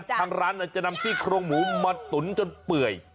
ทางร้านจะนำซี่โครงหมูมาตุ๋นจนเปื่อย